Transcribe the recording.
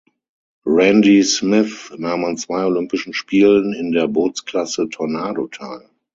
Randy Smyth nahm an zwei Olympischen Spielen in der Bootsklasse Tornado teil.